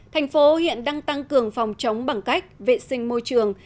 thành phố hiện đang tăng cường phòng chống bằng cách vệ sinh môi trường